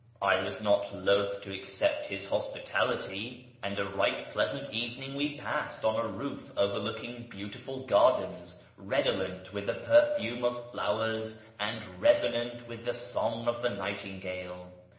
I was not loth to accept his hospitality ; and a right pleasant evening we passed on a roof overlooking beautiful gardens redolent with the perfume of flowers and resonant with the song of the nightingale.